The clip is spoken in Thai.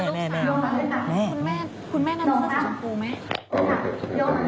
คุณแม่คุณแม่นำเสื้อสีชมพูไหม